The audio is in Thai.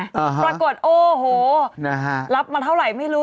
ปรากฏโอ้โหนะฮะรับมาเท่าไหร่ไม่รู้